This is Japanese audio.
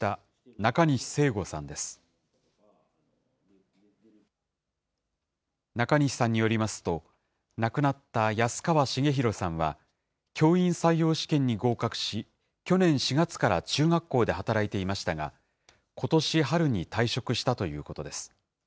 中西さんによりますと、亡くなった安川重裕さんは、教員採用試験に合格し、去年４月から中学校で働いていましたが、ことし春に退職したということです。